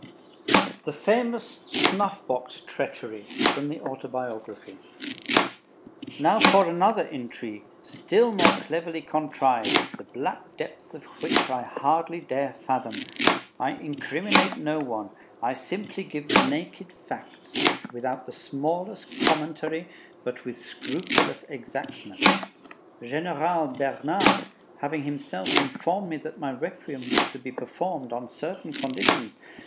THE FAMOUS "SNUFF BOX TREACHERY" From the Autobiography Now for another intrigue, still more cleverly contrived, the black depths of which I hardly dare fathom. I incriminate no one; I simply give the naked facts, without the smallest commentary, but with scrupulous exactness. General Bernard having himself informed me that my Requiem was to be performed on certain conditions